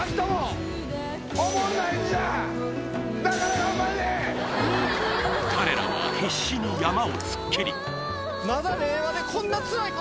今彼らは必死に山を突っ切り次週